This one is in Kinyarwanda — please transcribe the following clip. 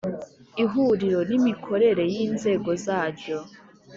Ihuriro n imikorere y Inzego zaryo